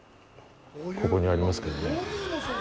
ここにありますけどね。